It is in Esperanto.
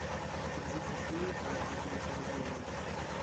Ekzistas mitoj pri ties originoj.